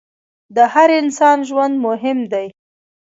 د هر انسان ژوند مهم دی.